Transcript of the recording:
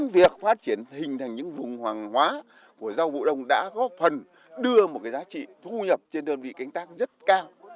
vùng hoàng hóa của rau vụ đông đã góp phần đưa một cái giá trị thu nhập trên đơn vị canh tác rất cao